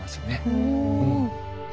うん！